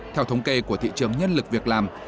theo thống kê của thị trường nhân lực việc làm